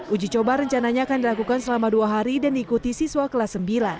uji coba rencananya akan dilakukan selama dua hari dan diikuti siswa kelas sembilan